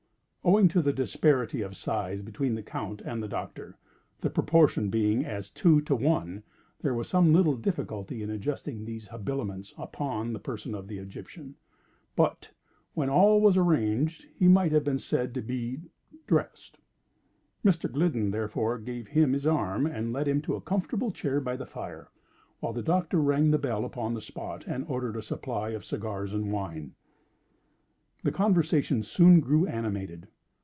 Owing to the disparity of size between the Count and the doctor (the proportion being as two to one), there was some little difficulty in adjusting these habiliments upon the person of the Egyptian; but when all was arranged, he might have been said to be dressed. Mr. Gliddon, therefore, gave him his arm, and led him to a comfortable chair by the fire, while the Doctor rang the bell upon the spot and ordered a supply of cigars and wine. The conversation soon grew animated.